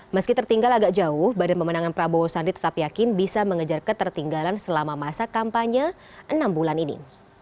meski tertinggal agak jauh badan pemenangan prabowo sandi tetap yakin bisa mengejar ketertinggalan selama masa kampanye enam bulan ini